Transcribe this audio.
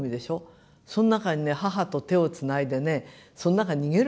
その中にね母と手をつないでねその中逃げるわけよ。